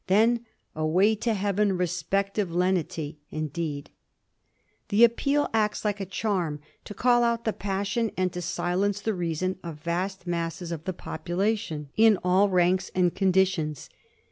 Then " away to heaven, respective lenity " indeed 1 The appeal acts like a charm to call out the passion and to silence the reason of vast masses of the population in all ranks and conditions.